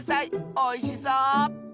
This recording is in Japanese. おいしそう！